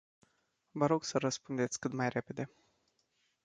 Vă rog să răspundeți cât mai repede.